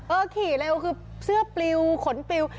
ขี่เร็วคือเสื้อปลิวขนปลิว